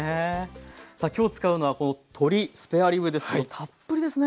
さあきょう使うのはこの鶏スペアリブですけどたっぷりですね。